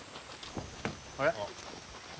あれ？